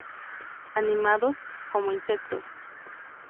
Animados, como insectos.